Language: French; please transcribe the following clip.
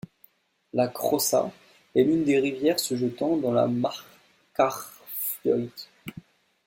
La Krossá est l'une des rivières se jetant dans la Markarfljót.